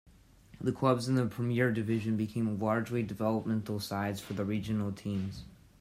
The clubs in the Premier Division became largely developmental sides for the regional teams.